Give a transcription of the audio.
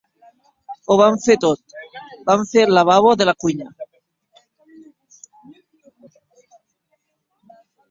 Ho vam fer tot. Vam fer el lavabo de la cuina!